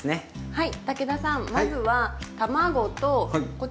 はい。